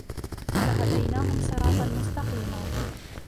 وَلَهَدَيْنَاهُمْ صِرَاطًا مُسْتَقِيمًا